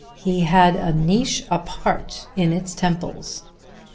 He had a niche apart in its temples.